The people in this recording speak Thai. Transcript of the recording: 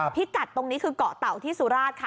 พิกัดตรงนี้คือเกาะเต่าที่สุราชค่ะ